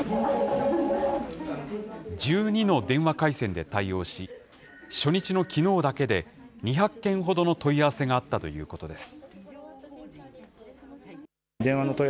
１２の電話回線で対応し、初日のきのうだけで、２００件ほどの問い合わせがあったということです。